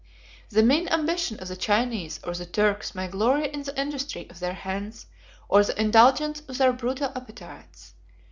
The mean ambition of the Chinese or the Turks may glory in the industry of their hands or the indulgence of their brutal appetites.